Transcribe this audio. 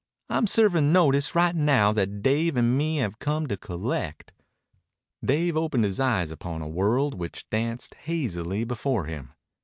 I'm servin' notice right now that Dave and me have come to collect." Dave opened his eyes upon a world which danced hazily before him.